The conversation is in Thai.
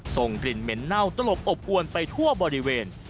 ส่งกลิ่นเหม็นเน่าตลบอบอวนไปทั่วบริเวณ